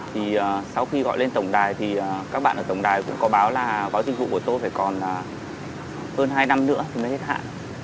thì sau khi gọi lên tổng đài thì các bạn ở tổng đài cũng có báo là có dịch vụ của tôi phải còn hơn hai năm nữa thì mới hết hạn